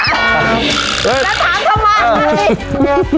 เอ๊ะแล้วถามทำไม